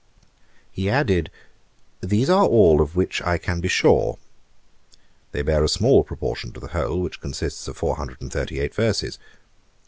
He added, 'These are all of which I can be sure.' They bear a small proportion to the whole, which consists of four hundred and thirty eight verses.